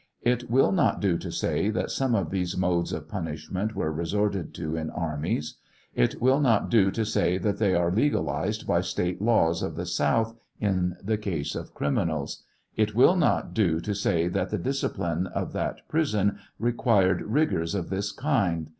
It will not do to say that some of these modes of punishment are resorted to in armies; it wid not do to say that they are legalized by State laws of the south, in the case of criminals ; it will not do to say that the discipline of that prison required rigors of this kind.